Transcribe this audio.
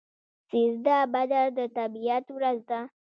سیزده بدر د طبیعت ورځ ده.